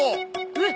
えっ？